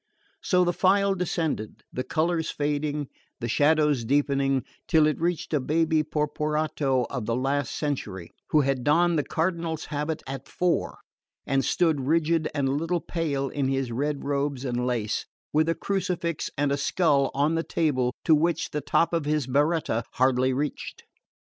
So the file descended, the colours fading, the shadows deepening, till it reached a baby porporato of the last century, who had donned the cardinal's habit at four, and stood rigid and a little pale in his red robes and lace, with a crucifix and a skull on the table to which the top of his berretta hardly reached.